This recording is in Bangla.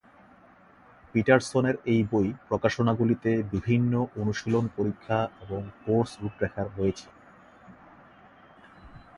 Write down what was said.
পিটারসনের এই বই প্রকাশনাগুলিতে বিভিন্ন অনুশীলন পরীক্ষা এবং কোর্স রূপরেখা রয়েছে।